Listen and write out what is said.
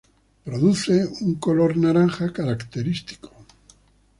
Produce un color naranja característico.